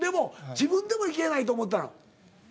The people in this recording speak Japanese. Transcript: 自分でもいけないと思ったの？